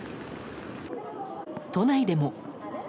都内でも。